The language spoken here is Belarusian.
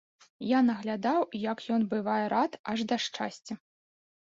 Я наглядаў, як ён бывае рад аж да шчасця.